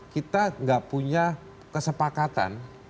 kita gak punya kesepakatan